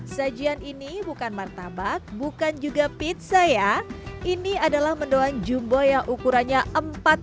sajian ini bukan martabak bukan juga pizza ya ini adalah mendoan jumbo yang ukurannya